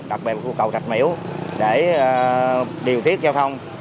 đặc biệt của cầu trạch miễu để điều tiết giao thông